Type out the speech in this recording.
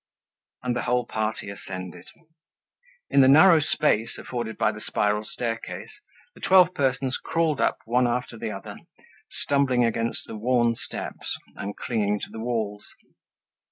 And the whole party ascended. In the narrow space afforded by the spiral staircase, the twelve persons crawled up one after the other, stumbling against the worn steps, and clinging to the walls.